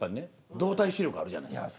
動体視力あるじゃないですか。